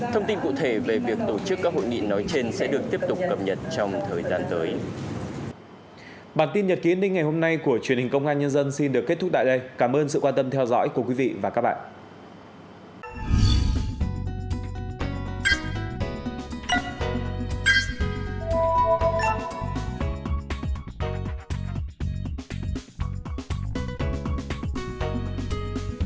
thông tin cụ thể về việc tổ chức các hội nghị nói trên sẽ được tiếp tục cập nhật trong thời gian tới